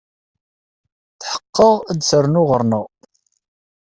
Tḥeqqeɣ ad d-ternu ɣer-neɣ.